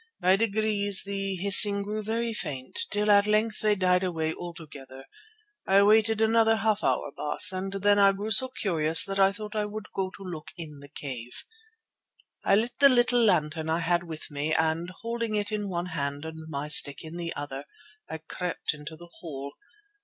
By degrees the hissing grew very faint, till at length they died away altogether. I waited another half hour, Baas, and then I grew so curious that I thought that I would go to look in the cave. "I lit the little lantern I had with me and, holding it in one hand and my stick in the other, I crept into the hole.